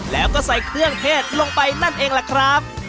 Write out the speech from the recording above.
แล้วก็ใส่เครื่องเทศลงไปนั่นเองล่ะครับ